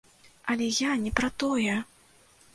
Але я не пра тое!